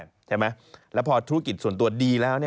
ใช่ไหมแล้วพอธุรกิจส่วนตัวดีแล้ว